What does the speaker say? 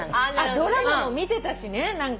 ドラマも見てたしね何か。